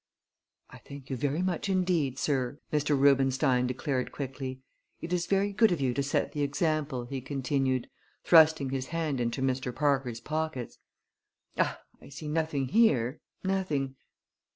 "I thank you very much indeed, sir," Mr. Rubenstein declared quickly. "It is very good of you to set the example," he continued, thrusting his hand into Mr. Parker's pockets. "Ah! I see nothing here nothing!